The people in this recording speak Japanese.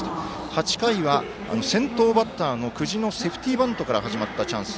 ８回は先頭バッターの久慈のセーフティーバントから始まったチャンス。